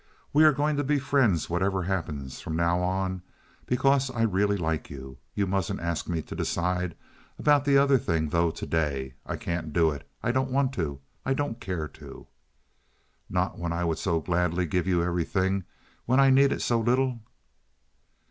"We are going to be friends, whatever happens, from now on, because I really like you. You mustn't ask me to decide about the other, though, to day. I can't do it. I don't want to. I don't care to." "Not when I would so gladly give you everything—when I need it so little?"